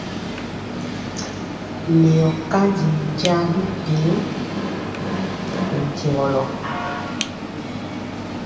Leyɔ kanji njaŋ bipiiŋ nɛ nkyegɔlɔ.